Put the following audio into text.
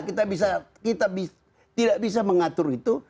kita tidak bisa mengatur itu